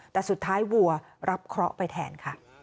แต่สุดท้ายวัวรับเคราะห์ไปแทนค่ะ